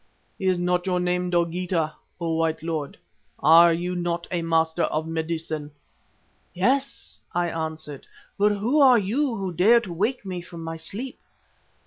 "'Is not your name Dogeetah, O White Lord, and are you not a master of medicine?' "'Yes,' I answered, 'but who are you who dare to wake me from my sleep?